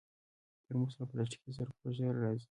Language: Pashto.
ترموز له پلاستيکي سرپوښ سره راځي.